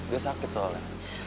dia sakit soalnya